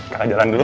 kaka jalan dulu